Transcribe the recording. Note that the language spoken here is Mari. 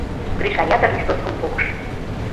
Гриша ятыр листовкым погыш.